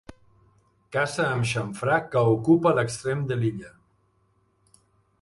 Casa amb xamfrà que ocupa l'extrem de l'illa.